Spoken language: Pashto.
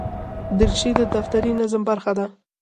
دریشي د دفتري نظم برخه ده.